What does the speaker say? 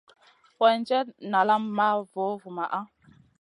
Weerdjenda nalam maʼa vovuma.